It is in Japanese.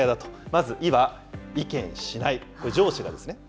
まず、いは意見しない、これ、上司がですね。